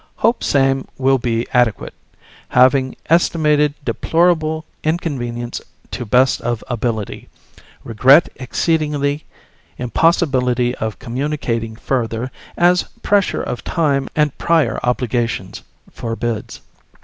Hope same will be adequate, having estimated deplorable inconvenience to best of ability. Regret exceedingly impossibility of communicating further, as pressure of time and prior obligations forbids.